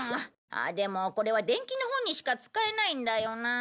あっでもこれは伝記の本にしか使えないんだよな。